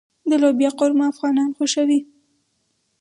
د لوبیا قورمه افغانان خوښوي.